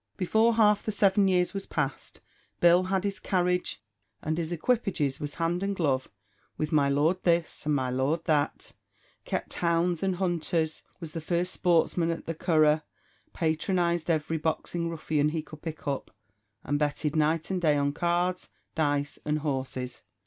Before half the seven years was passed, Bill had his carriage, and his equipages; was hand and glove with my Lord This, and my Lord That; kept hounds and hunters; was the first sportsman at the Curragh; patronised every boxing ruffian he could pick up; and betted night and day on cards, dice, and horses.